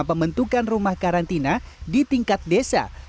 pembentukan rumah karantina di tingkat desa